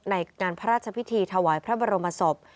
ในงานพระราชพิธีถวายพระบรมศพ